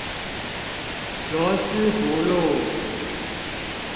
羅斯福路